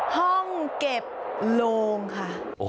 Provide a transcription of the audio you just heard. ห้องเก็บโลงค่ะ